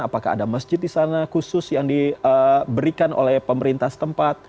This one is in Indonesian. apakah ada masjid di sana khusus yang diberikan oleh pemerintah setempat